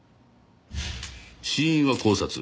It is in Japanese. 死因は絞殺。